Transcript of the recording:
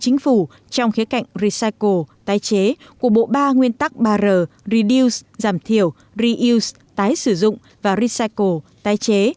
chính phủ trong khía cạnh recycle tái chế của bộ ba nguyên tắc ba r reuts giảm thiểu reus tái sử dụng và recycle tái chế